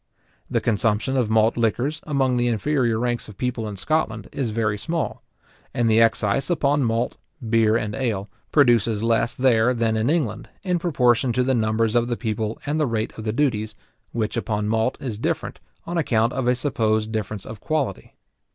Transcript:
The consumption of malt liquors among the inferior ranks of people in Scotland is very small; and the excise upon malt, beer, and ale, produces less there than in England, in proportion to the numbers of the people and the rate of the duties, which upon malt is different, on account of a supposed difference of quality.